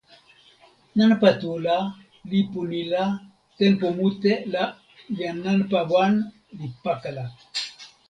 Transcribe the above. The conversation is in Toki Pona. nanpa tu la, lipu ni la, tenpo mute la jan nanpa wan li pakala